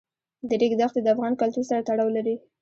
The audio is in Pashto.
د ریګ دښتې د افغان کلتور سره تړاو لري.